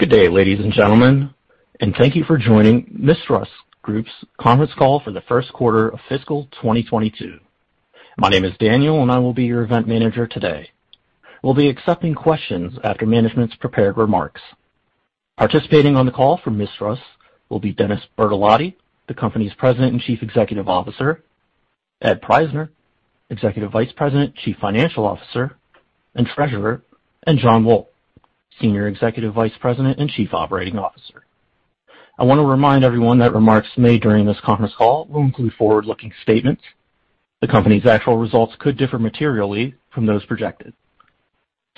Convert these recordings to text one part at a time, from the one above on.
Good day, ladies and gentlemen, and thank you for joining Mistras Group's conference call for the first quarter of fiscal 2022. My name is Daniel, and I will be your event manager today. We'll be accepting questions after management's prepared remarks. Participating on the call from Mistras will be Dennis Bertolotti, the company's President and Chief Executive Officer, Ed Prajzner, Executive Vice President, Chief Financial Officer, and Treasurer, and Jon Wolk, Senior Executive Vice President and Chief Operating Officer. I wanna remind everyone that remarks made during this conference call will include forward-looking statements. The company's actual results could differ materially from those projected.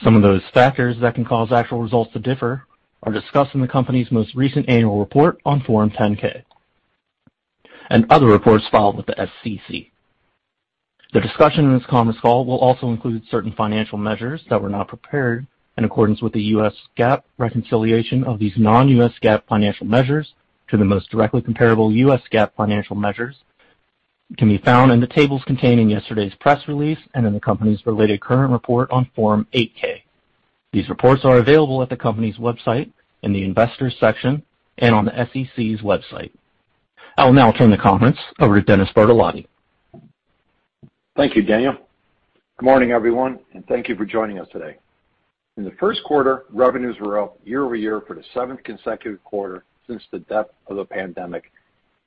Some of those factors that can cause actual results to differ are discussed in the company's most recent annual report on Form 10-K, and other reports filed with the SEC. The discussion in this conference call will also include certain financial measures that were not prepared in accordance with the U.S. GAAP. Reconciliation of these non-U.S. GAAP financial measures to the most directly comparable U.S. GAAP financial measures can be found in the tables containing yesterday's press release and in the company's related current report on Form 8-K. These reports are available at the company's website in the Investors section and on the SEC's website. I will now turn the conference over to Dennis Bertolotti. Thank you, Daniel. Good morning, everyone, and thank you for joining us today. In the first quarter, revenues were up year-over-year for the seventh consecutive quarter since the depth of the pandemic,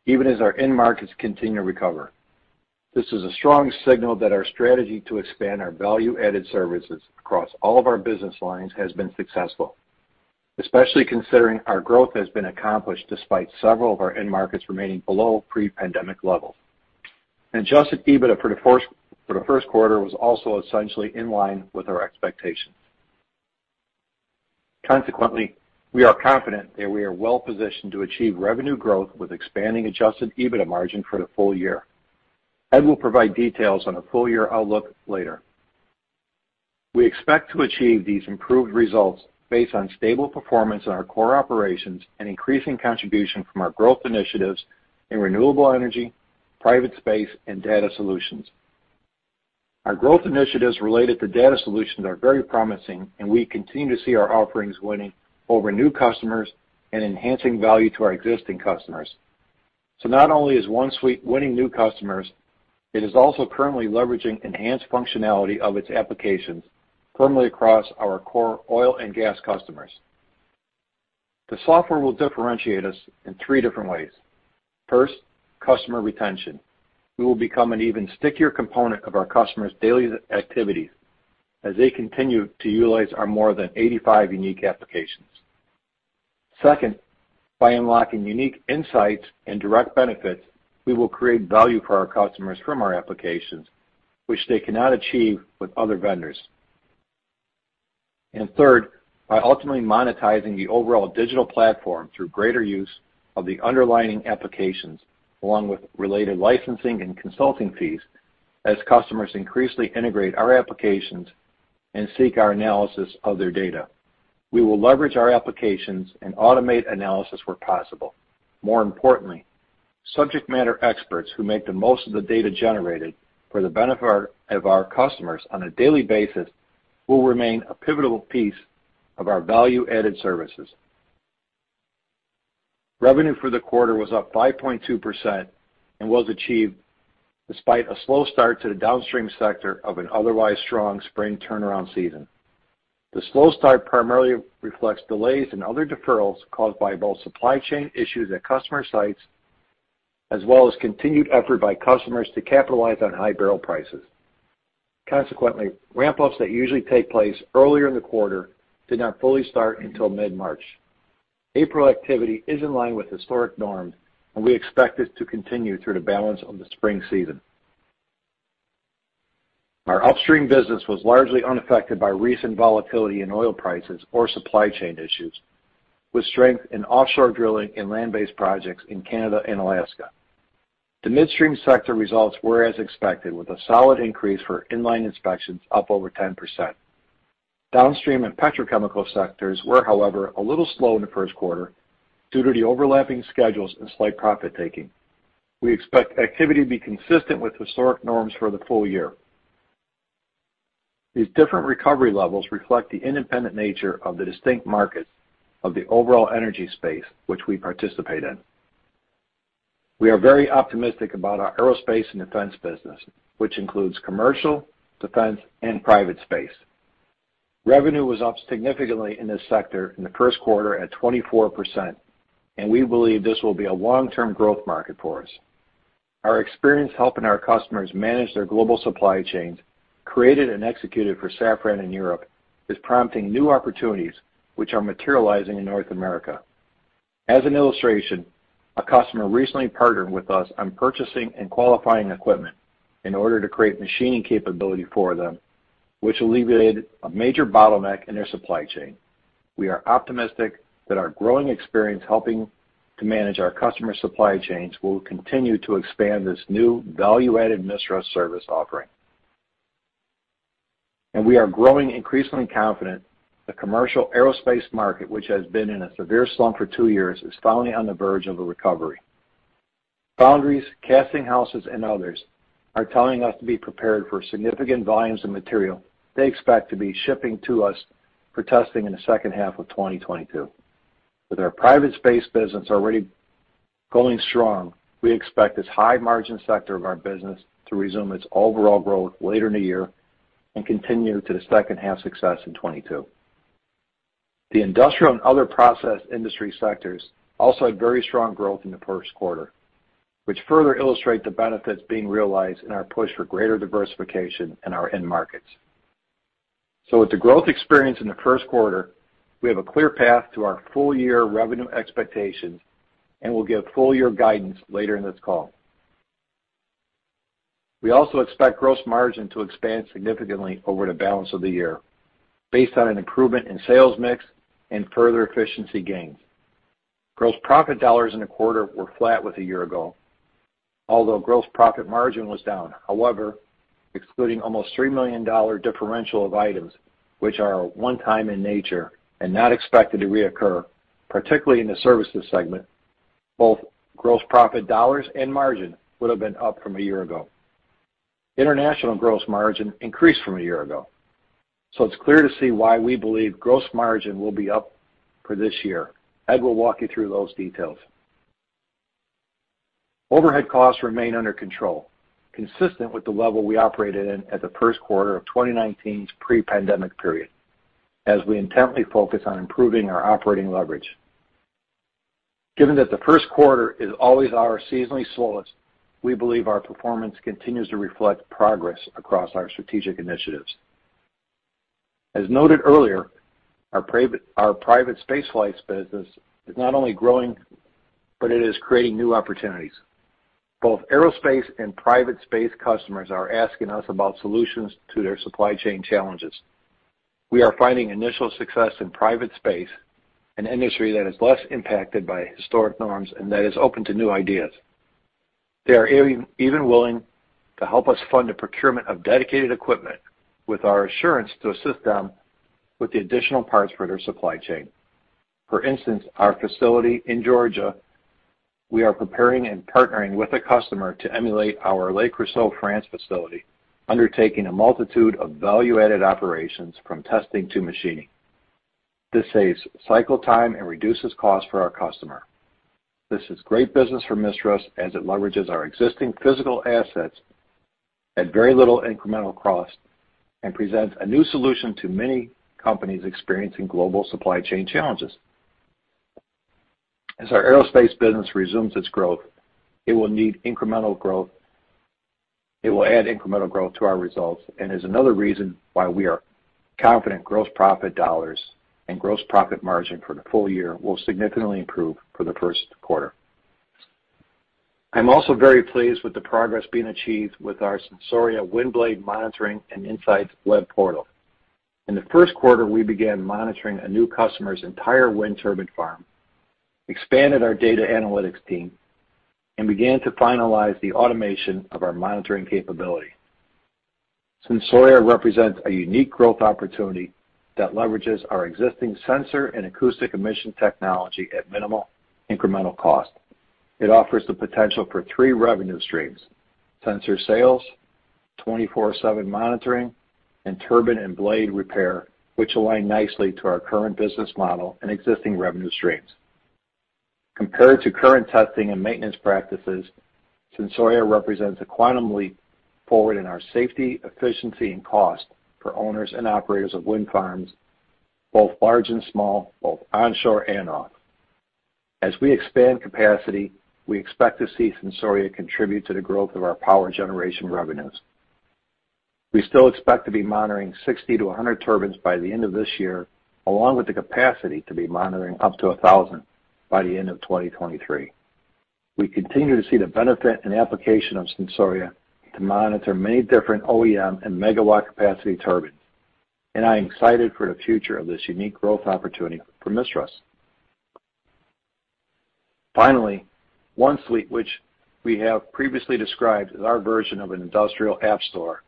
even as our end markets continue to recover. This is a strong signal that our strategy to expand our value-added services across all of our business lines has been successful, especially considering our growth has been accomplished despite several of our end markets remaining below pre-pandemic levels. Adjusted EBITDA for the first quarter was also essentially in line with our expectations. Consequently, we are confident that we are well-positioned to achieve revenue growth with expanding adjusted EBITDA margin for the full year. Ed will provide details on the full-year outlook later. We expect to achieve these improved results based on stable performance in our core operations and increasing contribution from our growth initiatives in renewable energy, private space, and Data Solutions. Our growth initiatives related to Data Solutions are very promising, and we continue to see our offerings winning over new customers and enhancing value to our existing customers. Not only is OneSuite winning new customers, it is also currently leveraging enhanced functionality of its applications firmly across our core oil and gas customers. The software will differentiate us in three different ways. First, customer retention. We will become an even stickier component of our customers' daily activities as they continue to utilize our more than 85 unique applications. Second, by unlocking unique insights and direct benefits, we will create value for our customers from our applications which they cannot achieve with other vendors. Third, by ultimately monetizing the overall digital platform through greater use of the underlying applications, along with related licensing and consulting fees, as customers increasingly integrate our applications and seek our analysis of their data. We will leverage our applications and automate analysis where possible. More importantly, subject matter experts who make the most of the data generated for the benefit of our customers on a daily basis will remain a pivotal piece of our value-added services. Revenue for the quarter was up 5.2% and was achieved despite a slow start to the downstream sector of an otherwise strong spring turnaround season. The slow start primarily reflects delays and other deferrals caused by both supply chain issues at customer sites, as well as continued effort by customers to capitalize on high barrel prices. Consequently, ramp-ups that usually take place earlier in the quarter did not fully start until mid-March. April activity is in line with historic norms, and we expect this to continue through the balance of the spring season. Our upstream business was largely unaffected by recent volatility in oil prices or supply chain issues, with strength in offshore drilling and land-based projects in Canada and Alaska. The midstream sector results were as expected with a solid increase for in-line inspections up over 10%. Downstream and petrochemical sectors were, however, a little slow in the first quarter due to the overlapping schedules and slight profit-taking. We expect activity to be consistent with historic norms for the full year. These different recovery levels reflect the independent nature of the distinct markets of the overall energy space which we participate in. We are very optimistic about our Aerospace & Defense business, which includes commercial, defense, and private space. Revenue was up significantly in this sector in the first quarter at 24%, and we believe this will be a long-term growth market for us. Our experience helping our customers manage their global supply chains, created and executed for Safran in Europe, is prompting new opportunities which are materializing in North America. As an illustration, a customer recently partnered with us on purchasing and qualifying equipment in order to create machining capability for them, which alleviated a major bottleneck in their supply chain. We are optimistic that our growing experience helping to manage our customers' supply chains will continue to expand this new value-added Mistras service offering. We are growing increasingly confident the commercial aerospace market, which has been in a severe slump for two years, is finally on the verge of a recovery. Foundries, casting houses, and others are telling us to be prepared for significant volumes of material they expect to be shipping to us for testing in the second half of 2022. With our private space business already going strong, we expect this high margin sector of our business to resume its overall growth later in the year and continue to the second-half success in 2022. The industrial and other process industry sectors also had very strong growth in the first quarter, which further illustrate the benefits being realized in our push for greater diversification in our end markets. With the growth experience in the first quarter, we have a clear path to our full-year revenue expectations, and we'll give full-year guidance later in this call. We also expect gross margin to expand significantly over the balance of the year based on an improvement in sales mix and further efficiency gains. Gross profit dollars in the quarter were flat with a year ago, although gross profit margin was down. However, excluding almost $3 million differential of items, which are one time in nature and not expected to reoccur, particularly in the services segment, both gross profit dollars and margin would have been up from a year ago. International gross margin increased from a year ago. It's clear to see why we believe gross margin will be up for this year. Ed will walk you through those details. Overhead costs remain under control, consistent with the level we operated in at the first quarter of 2019's pre-pandemic period as we intently focus on improving our operating leverage. Given that the first quarter is always our seasonally slowest, we believe our performance continues to reflect progress across our strategic initiatives. As noted earlier, our private spaceflights business is not only growing, but it is creating new opportunities. Both aerospace and private space customers are asking us about solutions to their supply chain challenges. We are finding initial success in private space, an industry that is less impacted by historic norms and that is open to new ideas. They are even willing to help us fund the procurement of dedicated equipment with our assurance to assist them with the additional parts for their supply chain. For instance, our facility in Georgia, we are preparing and partnering with a customer to emulate our Le Creusot, France facility, undertaking a multitude of value-added operations from testing to machining. This saves cycle time and reduces cost for our customer. This is great business for Mistras as it leverages our existing physical assets at very little incremental cost and presents a new solution to many companies experiencing global supply chain challenges. As our aerospace business resumes its growth, it will need incremental growth. It will add incremental growth to our results and is another reason why we are confident gross profit dollars and gross profit margin for the full year will significantly improve for the first quarter. I'm also very pleased with the progress being achieved with our Sensoria wind blade monitoring and insights web portal. In the first quarter, we began monitoring a new customer's entire wind turbine farm, expanded our data analytics team, and began to finalize the automation of our monitoring capability. Sensoria represents a unique growth opportunity that leverages our existing sensor and acoustic emission technology at minimal incremental cost. It offers the potential for three revenue streams, sensor sales, 24/7 monitoring, and turbine and blade repair, which align nicely to our current business model and existing revenue streams. Compared to current testing and maintenance practices, Sensoria represents a quantum leap forward in our safety, efficiency, and cost for owners and operators of wind farms, both large and small, both onshore and offshore. As we expand capacity, we expect to see Sensoria contribute to the growth of our power generation revenues. We still expect to be monitoring 60 to 100 turbines by the end of this year, along with the capacity to be monitoring up to 1,000 by the end of 2023. We continue to see the benefit and application of Sensoria to monitor many different OEM and megawatt capacity turbines, and I'm excited for the future of this unique growth opportunity for Mistras. Finally, OneSuite, which we have previously described as our version of an industrial app store,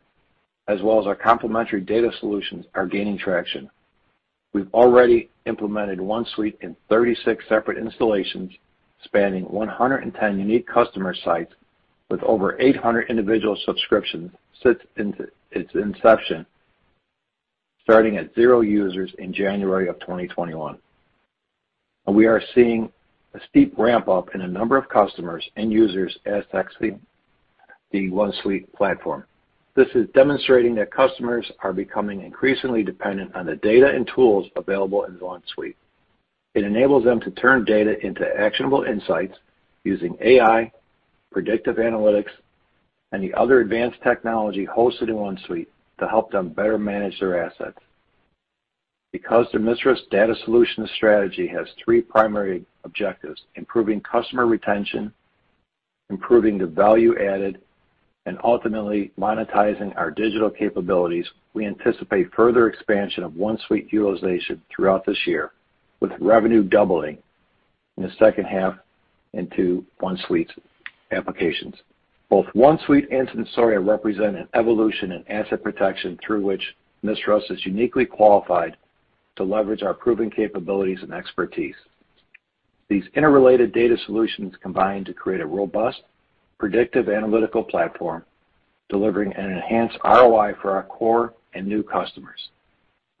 as well as our complementary Data Solutions, are gaining traction. We've already implemented OneSuite in 36 separate installations, spanning 110 unique customer sites with over 800 individual subscriptions since its inception, starting at zero users in January of 2021. We are seeing a steep ramp-up in the number of customers and users accessing the OneSuite platform. This is demonstrating that customers are becoming increasingly dependent on the data and tools available in OneSuite. It enables them to turn data into actionable insights using AI, predictive analytics, and the other advanced technology hosted in OneSuite to help them better manage their assets. Because the Mistras Data Solutions strategy has three primary objectives, improving customer retention, improving the value added, and ultimately monetizing our digital capabilities, we anticipate further expansion of OneSuite utilization throughout this year with revenue doubling in the second half into OneSuite applications. Both OneSuite and Sensoria represent an evolution in asset protection through which Mistras is uniquely qualified to leverage our proven capabilities and expertise. These interrelated Data Solutions combine to create a robust predictive analytical platform, delivering an enhanced ROI for our core and new customers.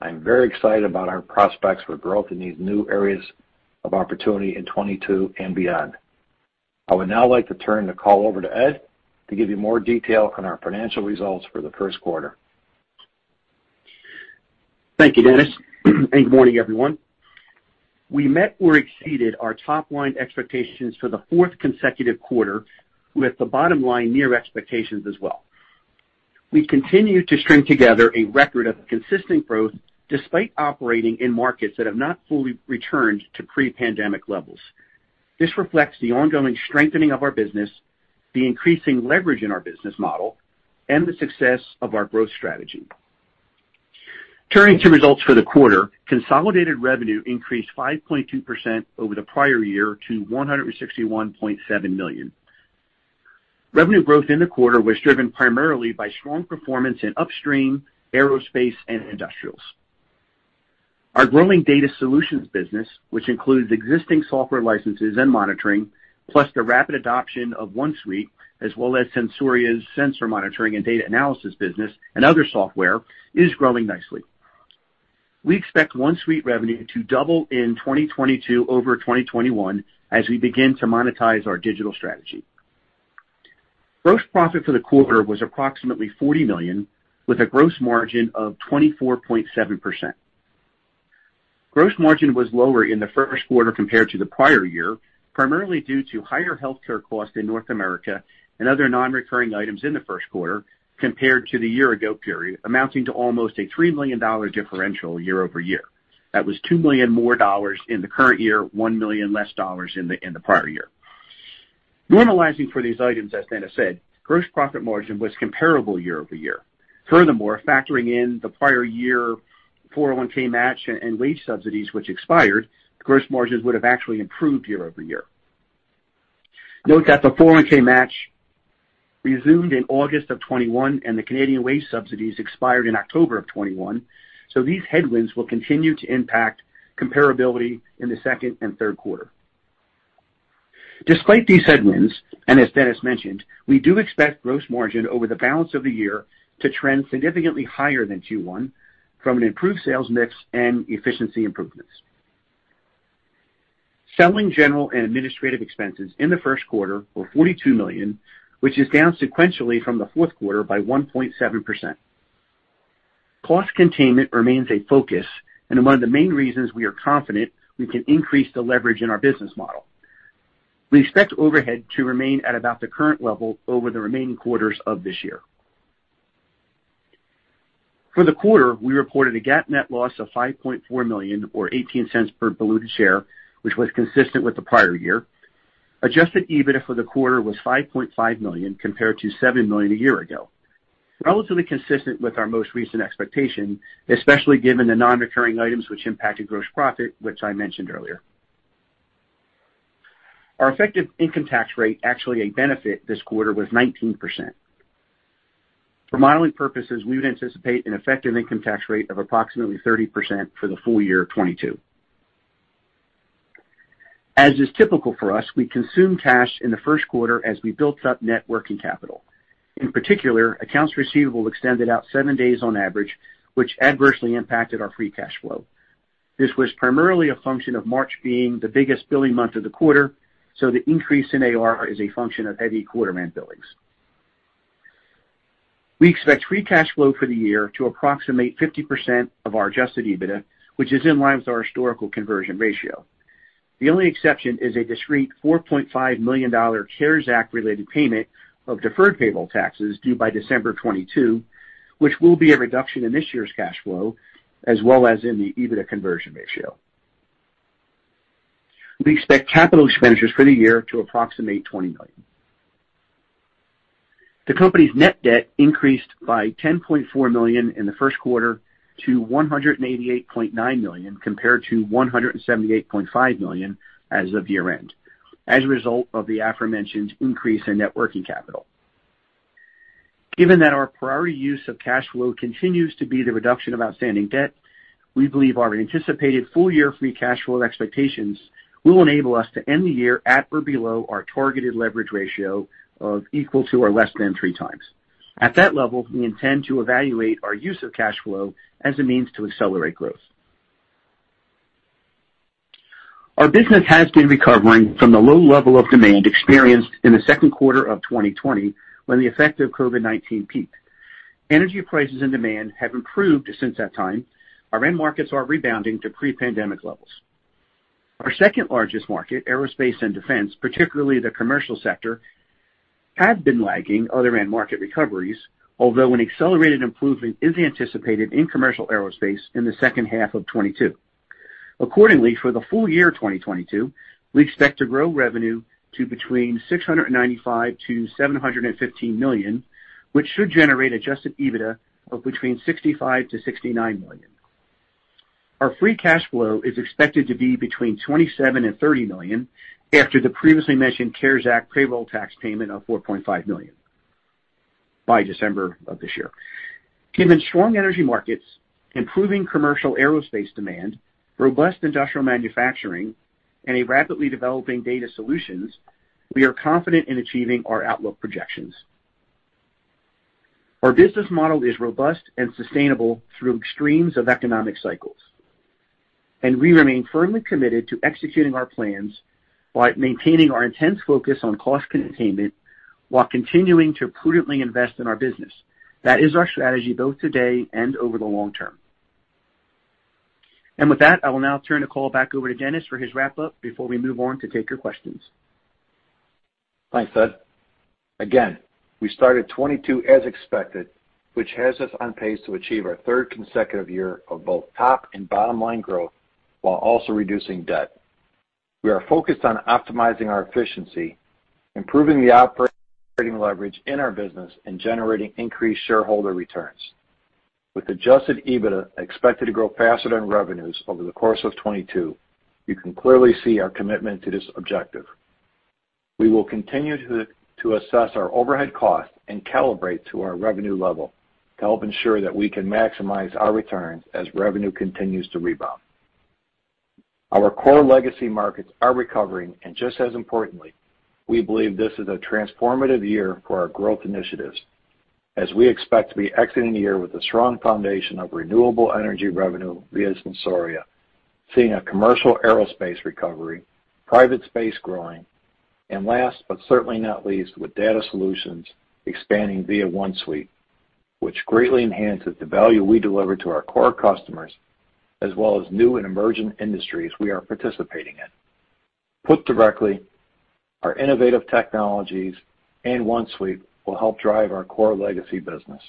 I'm very excited about our prospects for growth in these new areas of opportunity in 2022 and beyond. I would now like to turn the call over to Ed to give you more detail on our financial results for the first quarter. Thank you, Dennis. Good morning, everyone. We met or exceeded our top line expectations for the fourth consecutive quarter, with the bottom line near expectations as well. We continue to string together a record of consistent growth despite operating in markets that have not fully returned to pre-pandemic levels. This reflects the ongoing strengthening of our business, the increasing leverage in our business model, and the success of our growth strategy. Turning to results for the quarter. Consolidated revenue increased 5.2% over the prior year to $161.7 million. Revenue growth in the quarter was driven primarily by strong performance in upstream, aerospace and industrials. Our growing Data Solutions business, which includes existing software licenses and monitoring, plus the rapid adoption of OneSuite as well as Sensoria's sensor monitoring and data analysis business and other software, is growing nicely. We expect OneSuite revenue to double in 2022 over 2021 as we begin to monetize our digital strategy. Gross profit for the quarter was approximately $40 million, with a gross margin of 24.7%. Gross margin was lower in the first quarter compared to the prior year, primarily due to higher healthcare costs in North America and other non-recurring items in the first quarter compared to the year ago period, amounting to almost a $3 million differential year-over-year. That was $2 million more in the current year, $1 million less in the prior year. Normalizing for these items, as Dennis said, gross profit margin was comparable year-over-year. Furthermore, factoring in the prior year 401(k) match and wage subsidies which expired, gross margins would have actually improved year-over-year. Note that the 401(k) match resumed in August 2021, and the Canadian wage subsidies expired in October 2021, so these headwinds will continue to impact comparability in the second and third quarter. Despite these headwinds, and as Dennis mentioned, we do expect gross margin over the balance of the year to trend significantly higher than Q1 from an improved sales mix and efficiency improvements. Selling, general and administrative expenses in the first quarter were $42 million, which is down sequentially from the fourth quarter by 1.7%. Cost containment remains a focus and one of the main reasons we are confident we can increase the leverage in our business model. We expect overhead to remain at about the current level over the remaining quarters of this year. For the quarter, we reported a GAAP net loss of $5.4 million, or $0.18 per diluted share, which was consistent with the prior year. Adjusted EBITDA for the quarter was $5.5 million, compared to $7 million a year ago, relatively consistent with our most recent expectation, especially given the non-recurring items which impacted gross profit, which I mentioned earlier. Our effective income tax rate, actually a benefit this quarter, was 19%. For modeling purposes, we would anticipate an effective income tax rate of approximately 30% for the full year of 2022. As is typical for us, we consume cash in the first quarter as we built up net working capital. In particular, accounts receivable extended out seven days on average, which adversely impacted our free cash flow. This was primarily a function of March being the biggest billing month of the quarter, so the increase in AR is a function of heavy quarter-end billings. We expect free cash flow for the year to approximate 50% of our adjusted EBITDA, which is in line with our historical conversion ratio. The only exception is a discrete $4.5 million CARES Act-related payment of deferred payroll taxes due by December of 2022, which will be a reduction in this year's cash flow as well as in the EBITDA conversion ratio. We expect capital expenditures for the year to approximate $20 million. The company's net debt increased by $10.4 million in the first quarter to $188.9 million, compared to $178.5 million as of year-end, as a result of the aforementioned increase in net working capital. Given that our priority use of cash flow continues to be the reduction of outstanding debt, we believe our anticipated full-year free cash flow expectations will enable us to end the year at or below our targeted leverage ratio of equal to or less than three times. At that level, we intend to evaluate our use of cash flow as a means to accelerate growth. Our business has been recovering from the low level of demand experienced in the second quarter of 2020, when the effect of COVID-19 peaked. Energy prices and demand have improved since that time. Our end markets are rebounding to pre-pandemic levels. Our second largest market, aerospace and defense, particularly the commercial sector, have been lagging other end market recoveries, although an accelerated improvement is anticipated in commercial aerospace in the second half of 2022. Accordingly, for the full year 2022, we expect to grow revenue to between $695 million-$715 million, which should generate Adjusted EBITDA of between $65 million-$69 million. Our free cash flow is expected to be between $27 million-$30 million after the previously mentioned CARES Act payroll tax payment of $4.5 million. By December of this year. Given strong energy markets, improving commercial aerospace demand, robust industrial manufacturing, and a rapidly developing Data Solutions, we are confident in achieving our outlook projections. Our business model is robust and sustainable through extremes of economic cycles. We remain firmly committed to executing our plans while maintaining our intense focus on cost containment while continuing to prudently invest in our business. That is our strategy both today and over the long term. With that, I will now turn the call back over to Dennis for his wrap-up before we move on to take your questions. Thanks, Ed. Again, we started 2022 as expected, which has us on pace to achieve our third consecutive year of both top and bottom line growth while also reducing debt. We are focused on optimizing our efficiency, improving the operating leverage in our business, and generating increased shareholder returns. With adjusted EBITDA expected to grow faster than revenues over the course of 2022, you can clearly see our commitment to this objective. We will continue to assess our overhead costs and calibrate to our revenue level to help ensure that we can maximize our returns as revenue continues to rebound. Our core legacy markets are recovering, and just as importantly, we believe this is a transformative year for our growth initiatives as we expect to be exiting the year with a strong foundation of renewable energy revenue via Sensoria, seeing a commercial aerospace recovery, private space growing, and last, but certainly not least, with Data Solutions expanding via OneSuite, which greatly enhances the value we deliver to our core customers as well as new and emerging industries we are participating in. Put directly, our innovative technologies and OneSuite will help drive our core legacy business.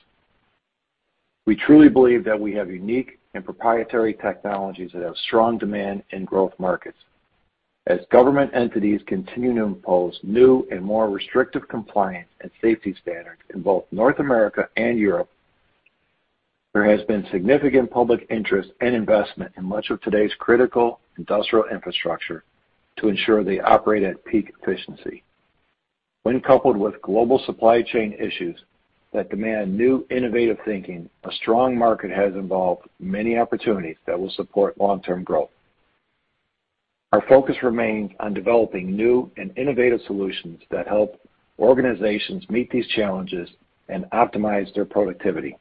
We truly believe that we have unique and proprietary technologies that have strong demand in growth markets. As government entities continue to impose new and more restrictive compliance and safety standards in both North America and Europe, there has been significant public interest and investment in much of today's critical industrial infrastructure to ensure they operate at peak efficiency. When coupled with global supply chain issues that demand new innovative thinking, a strong market has involved many opportunities that will support long-term growth. Our focus remains on developing new and innovative solutions that help organizations meet these challenges and optimize their productivity.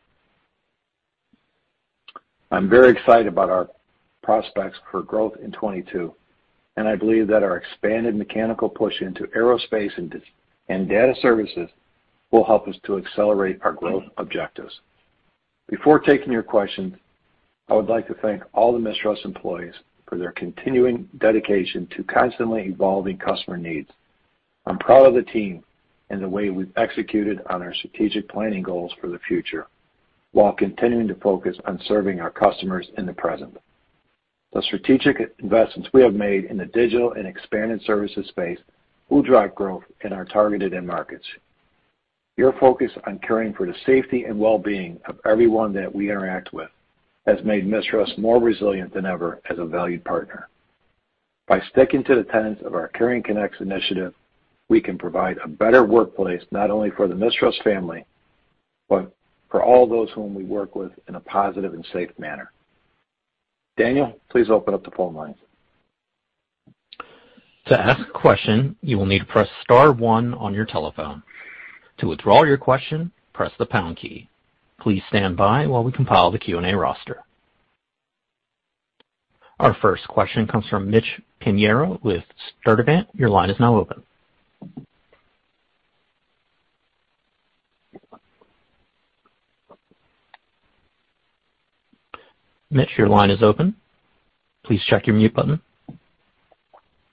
I'm very excited about our prospects for growth in 2022, and I believe that our expanded mechanical push into aerospace and data services will help us to accelerate our growth objectives. Before taking your questions, I would like to thank all the Mistras employees for their continuing dedication to constantly evolving customer needs. I'm proud of the team and the way we've executed on our strategic planning goals for the future while continuing to focus on serving our customers in the present. The strategic investments we have made in the digital and expanded services space will drive growth in our targeted end markets. Your focus on caring for the safety and well-being of everyone that we interact with has made Mistras more resilient than ever as a valued partner. By sticking to the tenets of our Caring Connects initiative, we can provide a better workplace not only for the Mistras family, but for all those whom we work with in a positive and safe manner. Daniel, please open up the phone lines. To ask a question, you will need to press star one on your telephone. To withdraw your question, press the pound key. Please stand by while we compile the Q&A roster. Our first question comes from Mitch Pinheiro with Sturdivant. Your line is now open. Mitch, your line is open. Please check your mute button.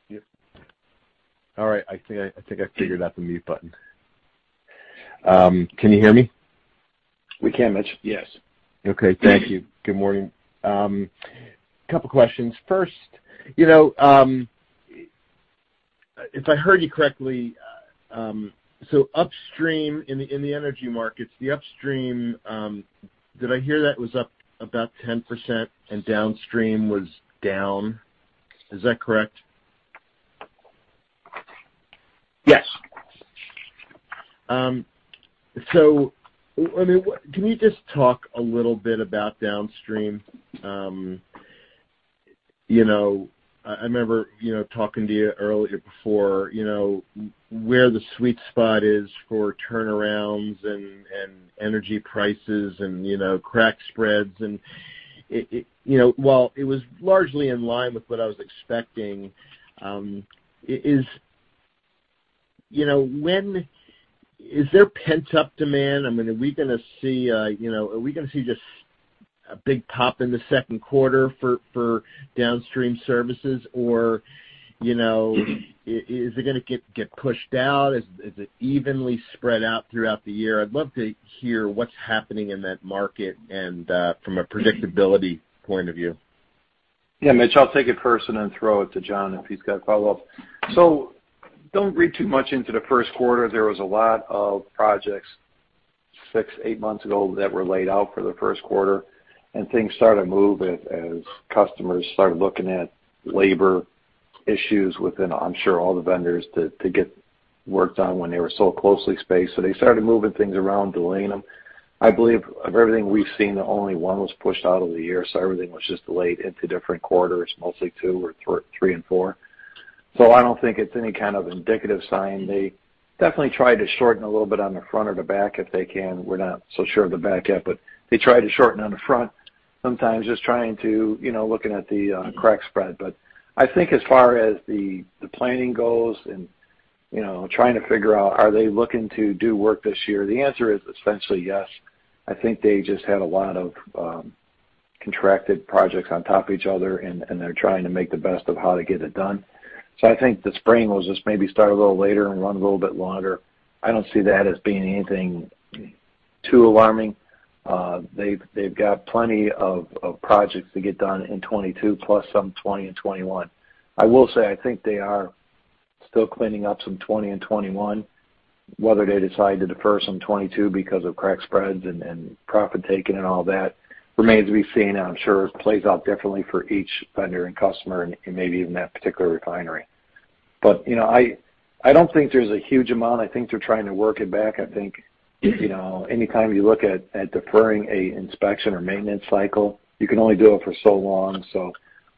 Yep. All right. I think I figured out the mute button. Can you hear me? We can, Mitch. Yes. Okay. Thank you. Good morning. Couple questions. First, you know, if I heard you correctly, upstream in the energy markets, upstream was up about 10% and downstream was down? Is that correct? Yes. I mean, can you just talk a little bit about downstream? You know, I remember talking to you earlier before, you know, where the sweet spot is for turnarounds and energy prices and, you know, crack spreads. It you know while it was largely in line with what I was expecting, is there pent-up demand? I mean, are we gonna see just a big pop in the second quarter for downstream services? Or, you know, is it gonna get pushed out? Is it evenly spread out throughout the year? I'd love to hear what's happening in that market and from a predictability point of view. Yeah, Mitch, I'll take it first and then throw it to Jon if he's got a follow-up. Don't read too much into the first quarter. There was a lot of projects six, eight months ago that were laid out for the first quarter, and things started to move as customers started looking at labor issues within, I'm sure, all the vendors to get worked on when they were so closely spaced. They started moving things around, delaying them. I believe of everything we've seen, only one was pushed out of the year, so everything was just delayed into different quarters, mostly two or three and four. I don't think it's any kind of indicative sign. They definitely tried to shorten a little bit on the front or the back, if they can. We're not so sure of the back yet, but they tried to shorten on the front, sometimes just trying to, you know, looking at the crack spread. I think as far as the planning goes and, you know, trying to figure out are they looking to do work this year, the answer is essentially yes. I think they just had a lot of contracted projects on top of each other and they're trying to make the best of how to get it done. I think the spring will just maybe start a little later and run a little bit longer. I don't see that as being anything too alarming. They've got plenty of projects to get done in 2022, plus some 2020 and 2021. I will say, I think they are still cleaning up some 2020 and 2021. Whether they decide to defer some 2022 because of crack spreads and profit-taking and all that remains to be seen, and I'm sure it plays out differently for each vendor and customer and maybe even that particular refinery. You know, I don't think there's a huge amount. I think they're trying to work it back. I think, you know, anytime you look at deferring an inspection or maintenance cycle, you can only do it for so long.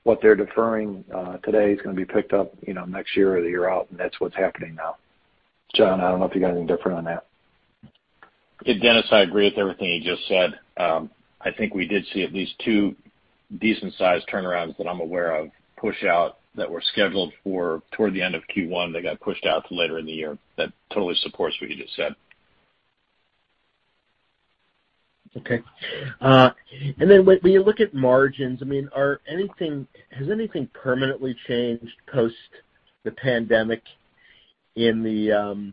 What they're deferring today is gonna be picked up, you know, next year or the year out, and that's what's happening now. Jon, I don't know if you got anything different on that. Yeah, Dennis, I agree with everything you just said. I think we did see at least two decent-sized turnarounds that I'm aware of push out that were scheduled for toward the end of Q1. They got pushed out to later in the year. That totally supports what you just said. Okay. When you look at margins, I mean, has anything permanently changed post the pandemic in the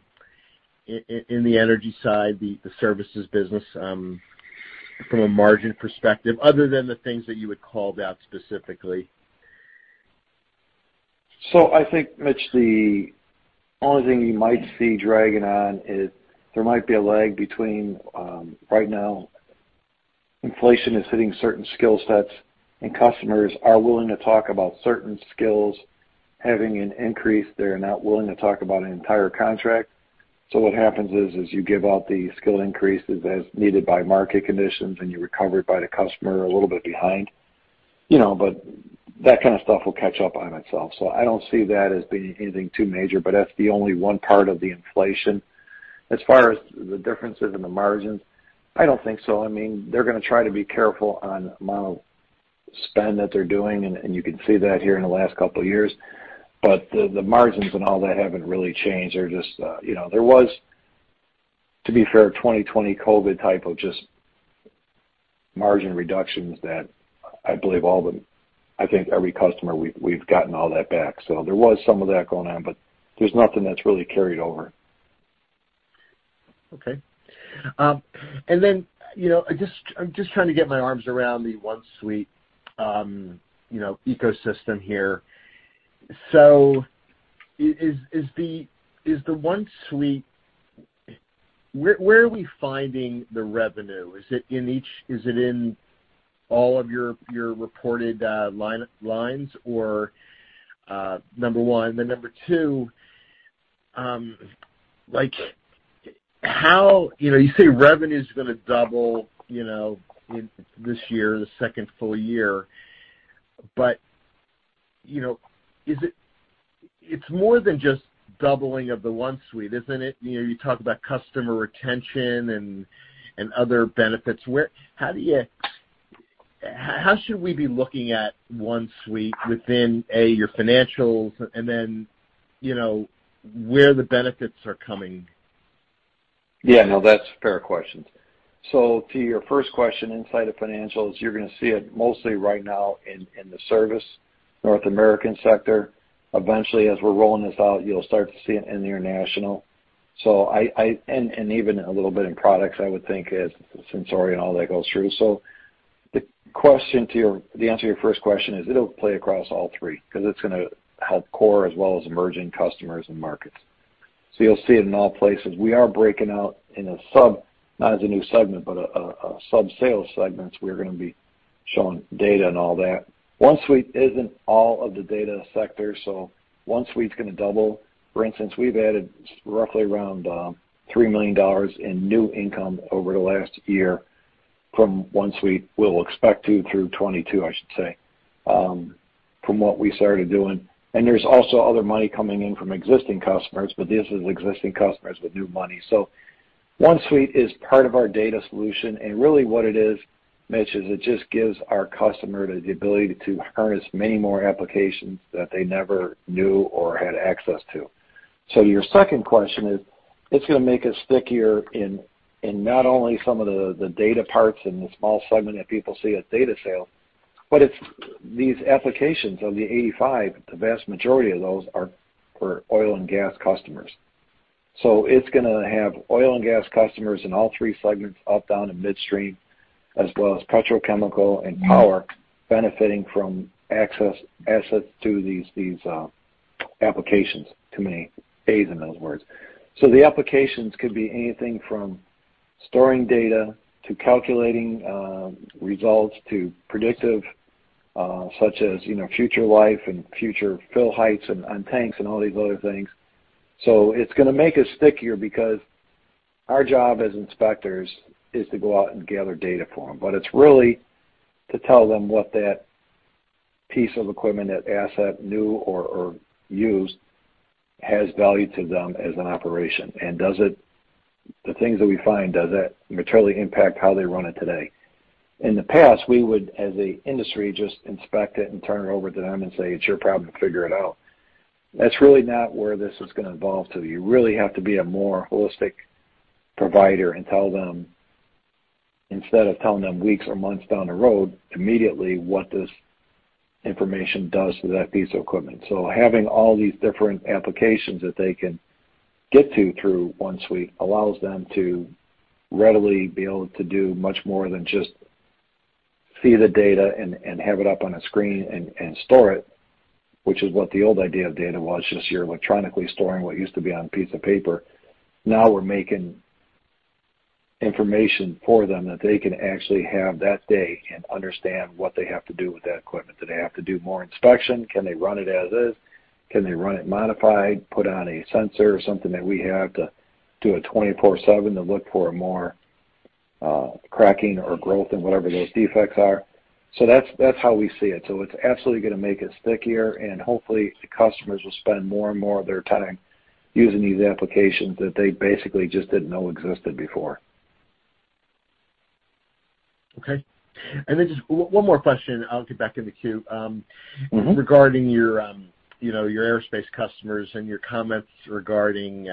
energy side, the services business, from a margin perspective, other than the things that you would call out specifically? I think, Mitch, the only thing you might see dragging on is there might be a lag between. Right now, inflation is hitting certain skill sets, and customers are willing to talk about certain skills having an increase. They're not willing to talk about an entire contract. What happens is you give out the skill increases as needed by market conditions, and you were covered by the customer a little bit behind. You know, but that kind of stuff will catch up by myself. I don't see that as being anything too major, but that's the only one part of the inflation. As far as the differences in the margins, I don't think so. I mean, they're gonna try to be careful on amount of spend that they're doing, and you can see that here in the last couple of years. The margins and all that haven't really changed. They're just, you know, there was, to be fair, 2020 COVID type of just margin reductions that I believe I think every customer, we've gotten all that back. There was some of that going on, but there's nothing that's really carried over. Okay. You know, I'm just trying to get my arms around the OneSuite, you know, ecosystem here. Is the OneSuite where are we finding the revenue? Is it in all of your reported lines or number one? Number two, like how. You know, you say revenue's gonna double, you know, in this year, the second full year? You know, is it. It's more than just doubling of the OneSuite, isn't it? You know, you talk about customer retention and other benefits. How do you how should we be looking at OneSuite within, A, your financials and then, you know, where the benefits are coming? Yeah. No, that's fair questions. To your first question, inside of financials, you're gonna see it mostly right now in the service North American sector. Eventually, as we're rolling this out, you'll start to see it in the international. I even a little bit in products, I would think, as Sensoria and all that goes through. The answer to your first question is it'll play across all three, 'cause it's gonna help core as well as emerging customers and markets. You'll see it in all places. We are breaking out in a sub, not as a new segment, but a sub-sales segments. We're gonna be showing data and all that. OneSuite isn't all of the data sector, so OneSuite's gonna double. For instance, we've added roughly around $3 million in new income over the last year from OneSuite. We'll expect to through 2022, I should say, from what we started doing. There's also other money coming in from existing customers, but this is existing customers with new money. OneSuite is part of our Data Solutions, and really what it is, Mitch, is it just gives our customer the ability to harness many more applications that they never knew or had access to. Your second question is, it's gonna make us stickier in not only some of the data parts in the small segment that people see as data sales, but it's these applications. Of the 85, the vast majority of those are for oil and gas customers. It's gonna have oil and gas customers in all three segments, up, down, and midstream, as well as petrochemical and power benefiting from access to assets through these applications. Too many As in those words. The applications could be anything from storing data to calculating results to predictive such as, you know, future life and future fill heights and tanks and all these other things. It's gonna make us stickier because our job as inspectors is to go out and gather data for them. It's really to tell them what that piece of equipment, that asset, new or used, has value to them as an operation. The things that we find, does that materially impact how they run it today? In the past, we would, as an industry, just inspect it and turn it over to them and say, "It's your problem. Figure it out." That's really not where this is gonna evolve to. You really have to be a more holistic provider and tell them, instead of telling them weeks or months down the road, immediately what this information does to that piece of equipment. Having all these different applications that they can get to through OneSuite allows them to readily be able to do much more than just see the data and have it up on a screen and store it, which is what the old idea of data was, just you're electronically storing what used to be on a piece of paper. Now we're making information for them that they can actually have that day and understand what they have to do with that equipment. Do they have to do more inspection? Can they run it as is? Can they run it modified, put on a sensor or something that we have to do a 24/7 to look for more, cracking or growth and whatever those defects are? That's how we see it. It's absolutely gonna make us stickier, and hopefully the customers will spend more and more of their time using these applications that they basically just didn't know existed before. Okay. Then just one more question, I'll get back in the queue. Mm-hmm. Regarding your you know your aerospace customers and your comments regarding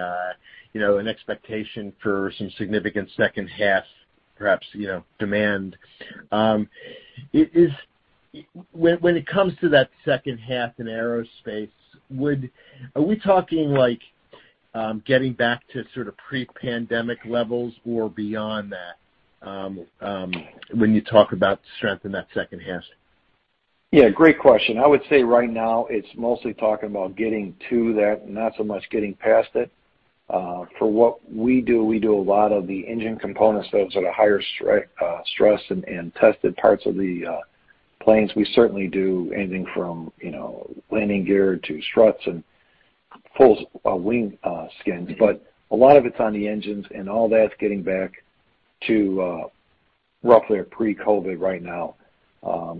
you know an expectation for some significant second half perhaps you know demand. When it comes to that second half in aerospace, are we talking like getting back to sort of pre-pandemic levels or beyond that when you talk about strength in that second half? Yeah, great question. I would say right now it's mostly talking about getting to that, not so much getting past it. For what we do, we do a lot of the engine components that are sort of higher stress and tested parts of the planes. We certainly do anything from, you know, landing gear to struts and full wing skins. But a lot of it's on the engines, and all that's getting back to roughly a pre-COVID right now.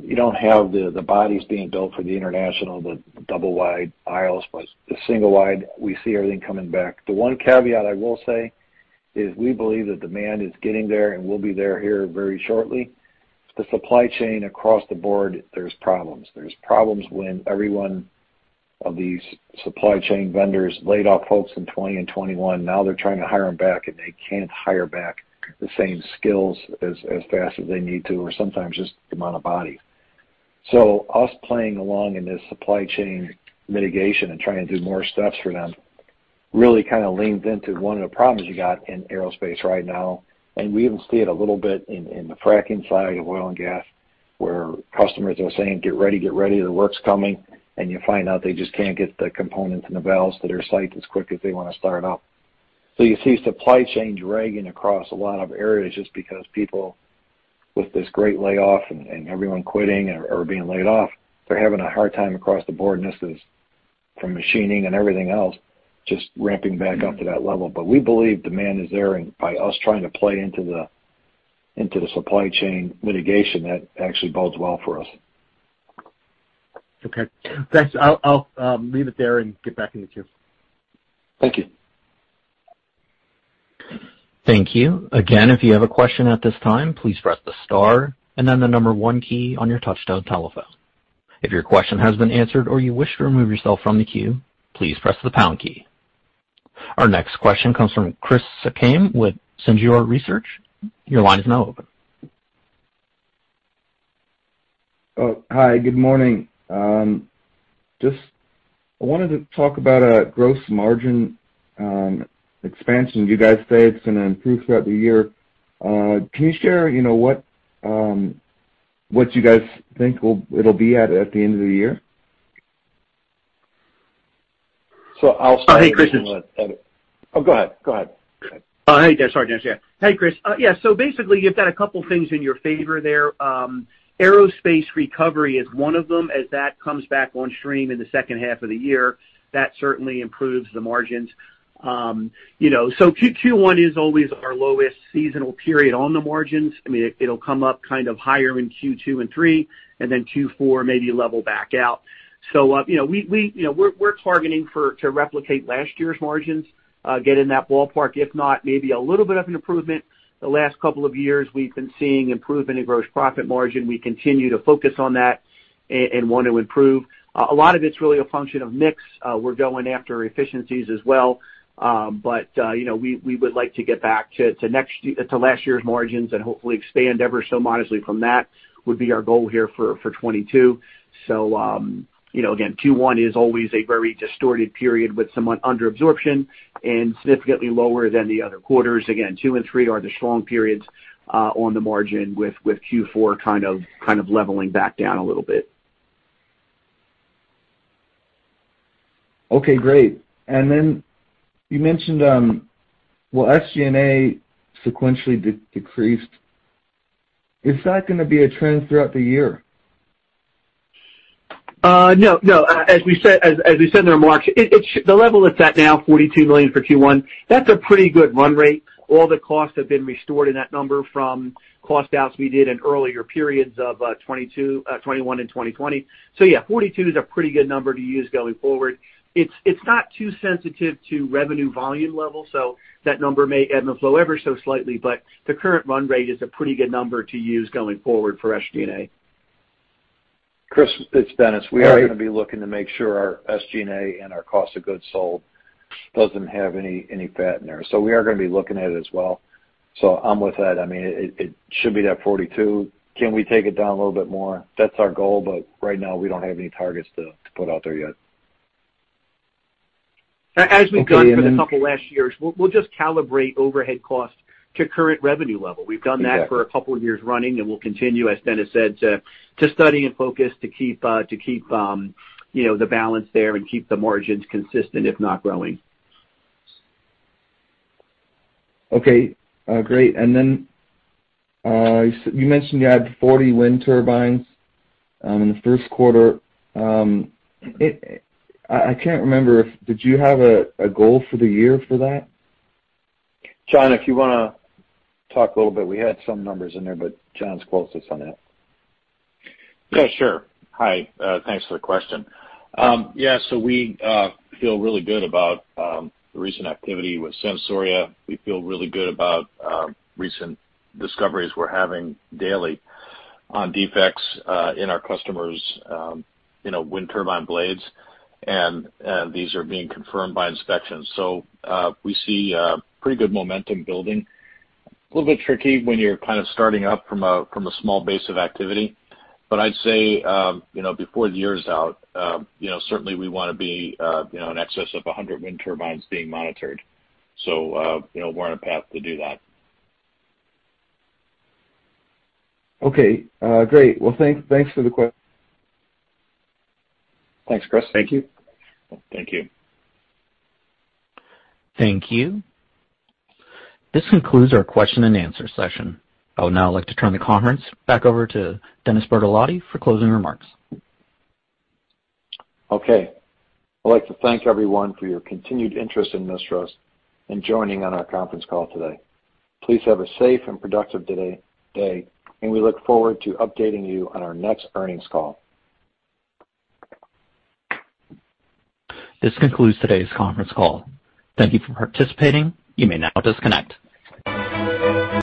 You don't have the bodies being built for the international, the double wide aisles, but the single wide we see everything coming back. The one caveat I will say is we believe that demand is getting there and will be there here very shortly. The supply chain across the board, there's problems. There are problems when every one of these supply chain vendors laid off folks in 2020 and 2021, now they're trying to hire them back, and they can't hire back the same skills as fast as they need to or sometimes just the amount of bodies. Us playing along in this supply chain mitigation and trying to do more stuff for them really kind of leans into one of the problems you got in aerospace right now. We even see it a little bit in the fracking side of oil and gas, where customers are saying, "Get ready, get ready, the work's coming." You find out they just can't get the components and the valves to their site as quick as they want to start up. You see supply chains lagging across a lot of areas just because people with this great layoff and everyone quitting or being laid off, they're having a hard time across the board, and this is from machining and everything else, just ramping back up to that level. We believe demand is there, and by us trying to play into the supply chain mitigation, that actually bodes well for us. Okay. Thanks. I'll leave it there and get back in the queue. Thank you. Thank you. Again, if you have a question at this time, please press the star and then the number one key on your touchtone telephone. If your question has been answered or you wish to remove yourself from the queue, please press the pound key. Our next question comes from Chris Sakai with Singular Research. Your line is now open. Oh, hi, good morning. Just I wanted to talk about gross margin expansion. You guys say it's gonna improve throughout the year. Can you share what you guys think it'll be at the end of the year? I'll start. Oh, hey, Chris, it's. Oh, go ahead. Hey there. Sorry, Dennis. Yeah. Hey, Chris. Yeah. Basically you've got a couple things in your favor there. Aerospace recovery is one of them. As that comes back on stream in the second half of the year, that certainly improves the margins. You know, Q1 is always our lowest seasonal period on the margins. I mean, it'll come up kind of higher in Q2 and Q3, and then Q4 maybe level back out. You know, we're targeting to replicate last year's margins, get in that ballpark, if not maybe a little bit of an improvement. The last couple of years we've been seeing improvement in gross profit margin. We continue to focus on that and want to improve. A lot of it's really a function of mix. We're going after efficiencies as well. You know, we would like to get back to last year's margins and hopefully expand ever so modestly from that would be our goal here for 2022. You know, again, Q1 is always a very distorted period with somewhat under absorption and significantly lower than the other quarters. Again, Q2 and Q3 are the strong periods on the margin with Q4 kind of leveling back down a little bit. Okay, great. You mentioned, well, SG&A sequentially decreased. Is that gonna be a trend throughout the year? No. As we said in our March, the level it's at now, $42 million for Q1, that's a pretty good run rate. All the costs have been restored in that number from cost outs we did in earlier periods of 2022, 2021 and 2020. Yeah, $42 million is a pretty good number to use going forward. It's not too sensitive to revenue volume level, so that number may ebb and flow ever so slightly, but the current run rate is a pretty good number to use going forward for SG&A. Chris, it's Dennis. All right. We are gonna be looking to make sure our SG&A and our cost of goods sold doesn't have any fat in there. We are gonna be looking at it as well. I'm with that. I mean, it should be that 42%. Can we take it down a little bit more? That's our goal, but right now, we don't have any targets to put out there yet. As we've done Okay. For the last couple of years, we'll just calibrate overhead costs to current revenue level. Exactly. We've done that for a couple of years running, and we'll continue, as Dennis said, to study and focus to keep the balance there and keep the margins consistent, if not growing. Okay. Great. You mentioned you had 40 wind turbines in the first quarter. I can't remember if did you have a goal for the year for that? Jon, if you wanna talk a little bit. We had some numbers in there, but Jon's closest on that. Yeah, sure. Hi, thanks for the question. Yeah, so we feel really good about the recent activity with Sensoria. We feel really good about recent discoveries we're having daily on defects in our customers', you know, wind turbine blades. These are being confirmed by inspections. We see pretty good momentum building. A little bit tricky when you're kind of starting up from a small base of activity. I'd say, you know, before the year is out, you know, certainly we wanna be, you know, in excess of 100 wind turbines being monitored. You know, we're on a path to do that. Okay. Great. Well, thanks for the question. Thanks, Chris. Thank you. Thank you. Thank you. This concludes our question and answer session. I would now like to turn the conference back over to Dennis Bertolotti for closing remarks. Okay. I'd like to thank everyone for your continued interest in Mistras and joining on our conference call today. Please have a safe and productive day, and we look forward to updating you on our next earnings call. This concludes today's conference call. Thank you for participating. You may now disconnect.